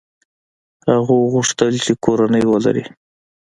هغه وغوښتل چې کورنۍ ولري.